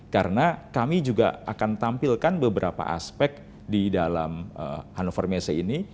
karena kami juga akan tampilkan beberapa aspek di dalam hannover messe ini